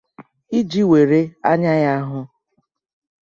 iji were anya ya hụ.